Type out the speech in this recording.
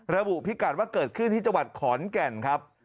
พิกัดว่าเกิดขึ้นที่จังหวัดขอนแก่นครับ